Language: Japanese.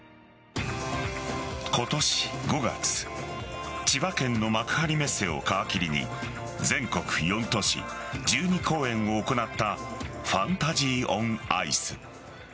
今年５月千葉県の幕張メッセを皮切りに全国４都市、１２公演を行ったファンタジー・オン・アイス。